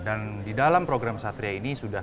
dan di dalam program satria ini sudah